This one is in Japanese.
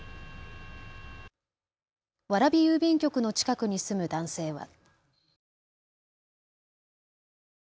蕨郵便局の近くに住む男性は。